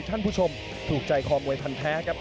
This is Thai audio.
ท่านผู้ชมถูกใจคอมวยพันแท้ครับ